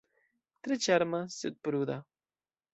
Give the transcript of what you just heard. Tre ĉarma, sed pruda.